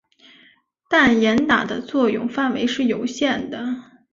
但严打的作用范围是有限的。